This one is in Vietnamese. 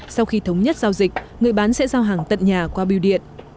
sau khi thống nhất giao dịch người bán sẽ giao hàng tận nhà qua biêu điện